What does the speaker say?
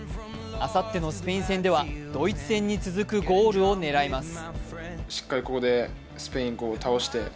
あさってのスペイン戦ではドイツ戦に続くゴールを狙います。